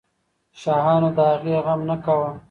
شاهانو د هغې غم نه کاوه.